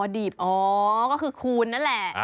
อ่อดิบก็คือคูณนั้นแหละ